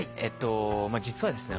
実はですね